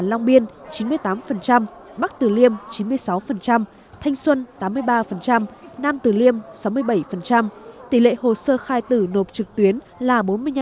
long biên chín mươi tám bắc tử liêm chín mươi sáu thanh xuân tám mươi ba nam tử liêm sáu mươi bảy tỷ lệ hồ sơ khai tử nộp trực tuyến là bốn mươi năm